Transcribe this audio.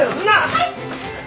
はい！